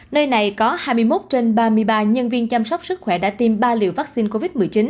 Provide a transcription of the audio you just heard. nơi này có hai mươi một trên ba mươi ba nhân viên chăm sóc sức khỏe đã tiêm ba liều vaccine covid một mươi chín